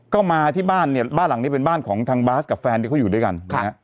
ก็มาที่บ้านเนี่ยบ้านหลังนี้เป็นบ้านของทางบาสกับแฟนที่เขาอยู่ด้วยกัน